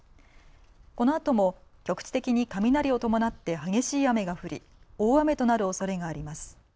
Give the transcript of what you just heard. このあとも局地的に雷を伴って激しい雨が降り大雨となるおそれがあります。